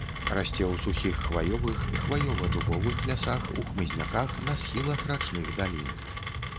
Расце ў сухіх хваёвых, хваёва-дубовых лясах, у хмызняках на схілах рачных далін.